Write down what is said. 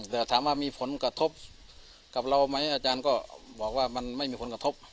แต่ถามว่ามีผลกระทบกับเราไหมอาจารย์ก็บอกว่ามันไม่มีผลกระทบ